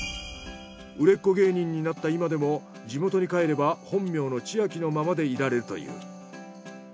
売れっ子芸人になった今でも地元に帰れば本名の千秋のままでいられるという。